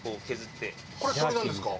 これ鶏なんですか？